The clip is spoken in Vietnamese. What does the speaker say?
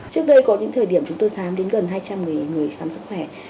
trước đây có những thời điểm chúng tôi thám đến gần hai trăm linh người người khám sức khỏe